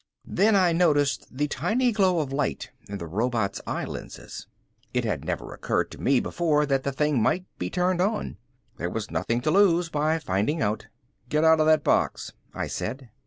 Then I noticed the tiny glow of light in the robot's eye lenses. It had never occurred to me before that the thing might be turned on. There was nothing to lose by finding out. "Get out of that box," I said.